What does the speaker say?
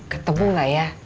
ketemu gak ya